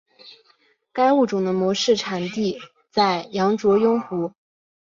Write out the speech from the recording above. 该物种的模式产地在羊卓雍湖。